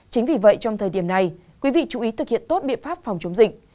chính vì vậy trong thời điểm này quý vị chú ý thực hiện tốt biện pháp phòng chống dịch